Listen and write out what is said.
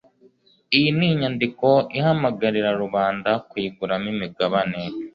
iyi ni inyandiko ihamagararira rubanda kuyiguramo imigabane